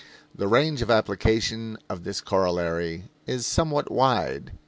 The range of application of this corollary is somewhat wide.